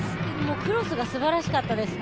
クロスがすばらしかったですね。